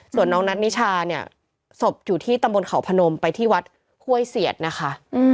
ส่วนน้องนัทนิชาเนี่ยศพอยู่ที่ตำบลเขาพนมไปที่วัดห้วยเสียดนะคะ